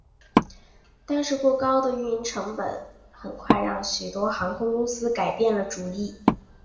但是过高的运营成本很快让许多航空公司改变了主意。